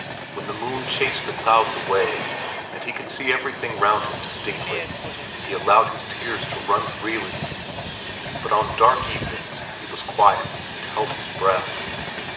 When the moon chased the clouds away and he could see everything round him distinctly, he allowed his tears to run freely; but on dark evenings he was quiet and held his breath.